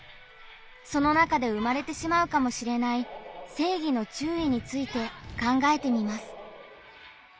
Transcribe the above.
その中で生まれてしまうかもしれない「正義の注意」について考えてみます。